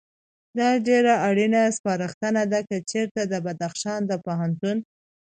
دا ډېره اړینه سپارښتنه ده، که چېرته د بدخشان د پوهنتون